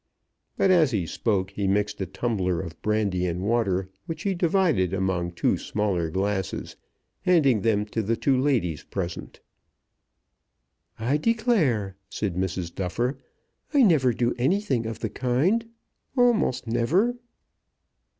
But as he spoke he mixed a tumbler of brandy and water, which he divided among two smaller glasses, handing them to the two ladies present. "I declare," said Mrs. Duffer, "I never do anything of the kind, almost never."